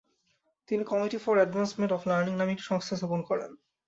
তিনি committee for advancement of learning নামে একটি সংস্থা স্থাপন করেন।